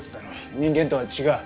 人間とは違う。